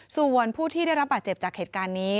ส่วนผู้ที่ได้รับบาดเจ็บจากเหตุการณ์นี้